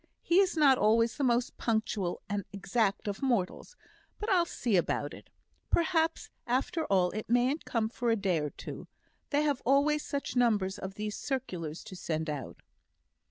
He is not always the most punctual and exact of mortals; but I'll see about it. Perhaps after all it mayn't come for a day or two; they have always such numbers of these circulars to send out."